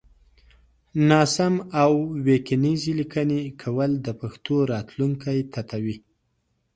ناسم او وينگيزې ليکنې کول د پښتو راتلونکی تتوي